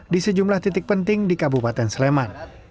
di sejumlah titik penting di kabupaten sleman